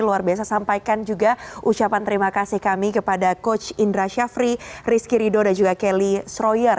luar biasa sampaikan juga ucapan terima kasih kami kepada coach indra syafri rizky rido dan juga kelly sroyer